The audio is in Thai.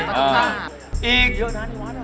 โรงเรียน